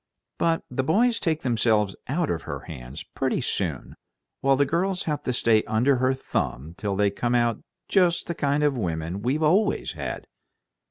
But the boys take themselves out of her hands pretty soon, while the girls have to stay under her thumb till they come out just the kind of women we've always had."